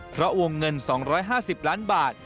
เพราะวงเงิน๒๕๐ล้านบาท